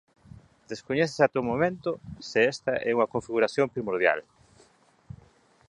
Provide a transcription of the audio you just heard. Descoñécese ata o momento se esta é unha configuración primordial.